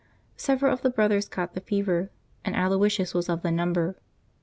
Several of the brothers caught the fever, and Aloysius was of the number.